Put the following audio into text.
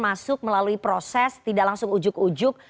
kemudian masuk melalui proses tidak langsung ujug ujug